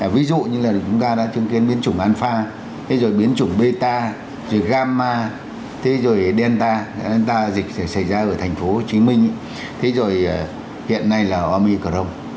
ví dụ như là chúng ta đã chứng kiến biến chủng alpha biến chủng beta gamma delta delta dịch xảy ra ở thành phố hồ chí minh hiện nay là omicron